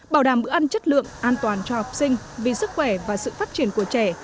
bảo đảm bữa ăn chất lượng an toàn cho học sinh vì sức khỏe và sự phát triển của trẻ